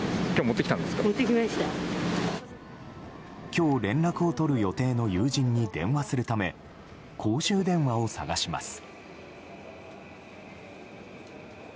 今日、連絡を取る予定の友人に電話するため公衆電話を探します。